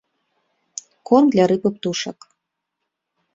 Корм для рыб і птушак.